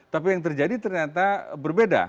tapi yang terjadi ternyata berbeda